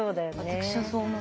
私はそう思う。